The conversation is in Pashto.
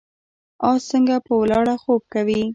اس څنګه په ولاړه خوب کوي؟